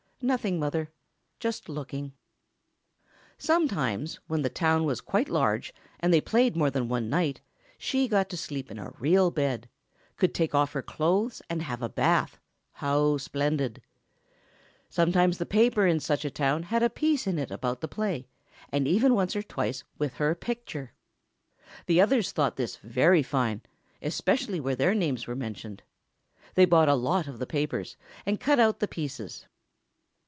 "Nothing, Mother; just looking." Sometimes when the town was quite large and they played more than one night, she got to sleep in a real bed, could take off her clothes and have a bath—how splendid! Sometimes the paper in such a town had a piece in it about the play, even once or twice with her picture. The others thought this very fine, especially where their names were mentioned. They bought a lot of the papers, and cut out the pieces.